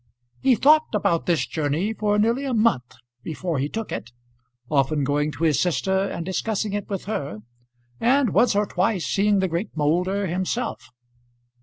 He thought about this journey for nearly a month before he took it, often going to his sister and discussing it with her, and once or twice seeing the great Moulder himself.